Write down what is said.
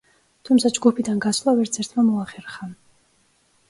თუმცა ჯგუფიდან გასვლა ვერცერთმა მოახერხა.